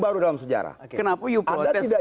baru dalam sejarah anda tidak